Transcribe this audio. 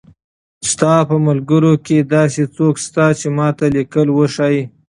ستا په ملګرو کښې داسې څوک شته چې ما ته ليکل وښايي